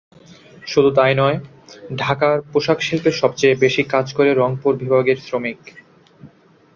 শুধু তা-ই নয়, ঢাকার পোশাকশিল্পে সবচেয়ে বেশি কাজ করে রংপুর বিভাগের শ্রমিক।